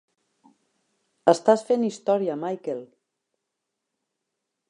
Estàs fent història, Michael.